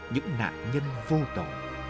những nạn nhân vô tổ